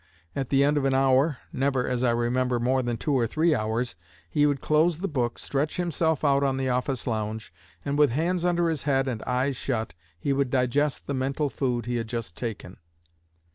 At the end of an hour never, as I remember, more than two or three hours he would close the book, stretch himself out on the office lounge, and with hands under his head and eyes shut he would digest the mental food he had just taken.